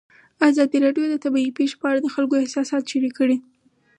ازادي راډیو د طبیعي پېښې په اړه د خلکو احساسات شریک کړي.